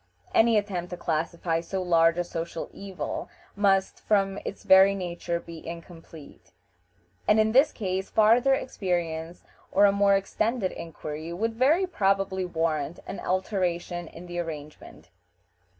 Any attempt to classify so large a social evil must, from its very nature, be incomplete, and in this case farther experience or a more extended inquiry would very probably warrant an alteration in the arrangement.